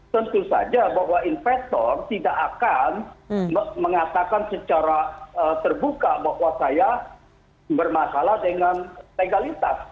tentu saja bahwa investor tidak akan mengatakan secara terbuka bahwa saya bermasalah dengan legalitas